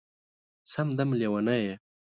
سم دم لېونی یې